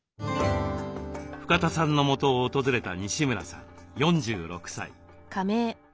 深田さんのもとを訪れた西村さん４６歳。